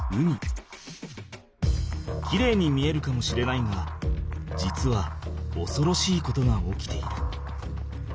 きれいに見えるかもしれないが実はおそろしいことが起きている。